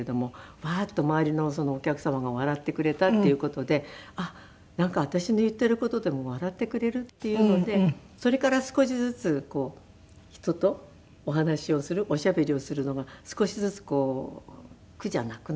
ワーッと周りのお客様が笑ってくれたっていう事であっ私の言っている事でも笑ってくれるっていうのでそれから少しずつ人とお話をするおしゃべりをするのが少しずつ苦じゃなくなってきた。